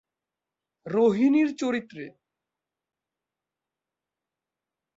রোহিণী র চরিত্রে।